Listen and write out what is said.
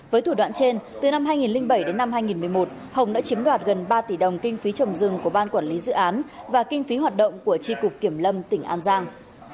với thủ đoạn trên từ năm hai nghìn bảy đến năm hai nghìn một mươi một hồng đã chiếm đoạt gần ba tỷ đồng kinh phí trồng rừng của ban quản lý dự án và kinh phí hoạt động của tri cục kiểm lâm tỉnh an giang